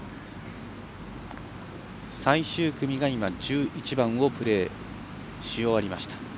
最終組が１１番をプレーし終わりました。